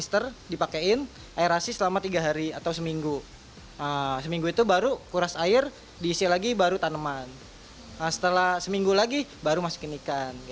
setelah seminggu lagi baru masukin ikan